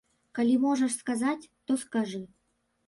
Калі можаш сказаць, то скажы.